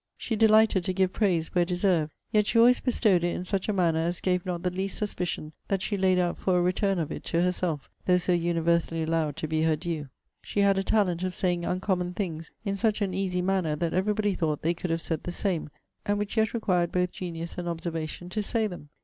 She delighted to give praise where deserved; yet she always bestowed it in such a manner as gave not the least suspicion that she laid out for a return of it to herself, though so universally allowed to be her due. She had a talent of saying uncommon things in such an easy manner that every body thought they could have said the same; and which yet required both genius and observation to say them.